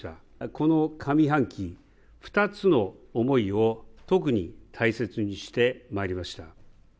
この上半期、２つの思いを特に大切にしてまいりました。